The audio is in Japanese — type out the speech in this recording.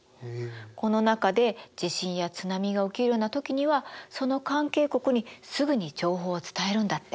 この中で地震や津波が起きるような時にはその関係国にすぐに情報を伝えるんだって。